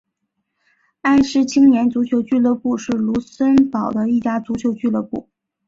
埃施青年足球俱乐部是卢森堡的一家足球俱乐部。